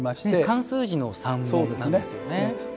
漢数字の三なんですよね。